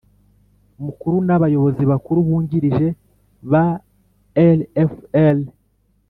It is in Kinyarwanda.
Mukuru n abayobozi bakuru bungirije ba rfl